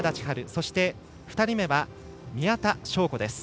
そして、２人目は宮田笙子です。